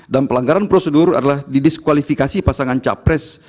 dan pelanggaran prosedur adalah didiskualifikasi pasangan capres